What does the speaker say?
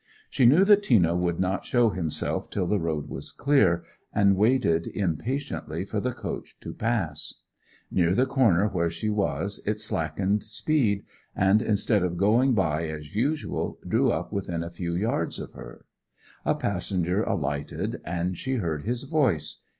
She knew that Tina would not show himself till the road was clear, and waited impatiently for the coach to pass. Nearing the corner where she was it slackened speed, and, instead of going by as usual, drew up within a few yards of her. A passenger alighted, and she heard his voice.